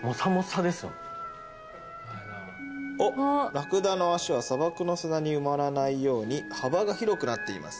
「ラクダの足は砂漠の砂に埋まらないように幅が広くなっています」